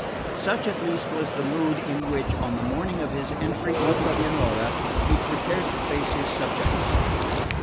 Such at least was the mood in which, on the morning of his entry into Pianura, he prepared to face his subjects.